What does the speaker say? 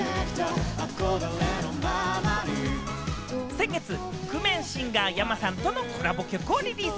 先月、覆面シンガー・ｙａｍａさんとのコラボ曲をリリース。